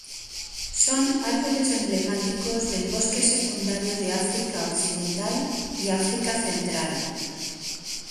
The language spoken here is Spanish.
Son árboles emblemáticos del bosque secundario de África Occidental y África Central.